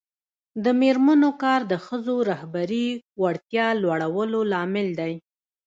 د میرمنو کار د ښځو رهبري وړتیا لوړولو لامل دی.